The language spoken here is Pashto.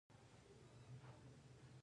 هندوکش د فرهنګي پیژندنې یوه برخه ده.